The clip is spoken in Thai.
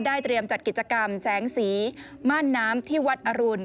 เตรียมจัดกิจกรรมแสงสีม่านน้ำที่วัดอรุณ